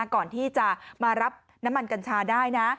ก่อนที่จะมารับน้ำมันกัญชาได้นะ